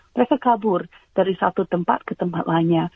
mereka kabur dari satu tempat ke tempat lainnya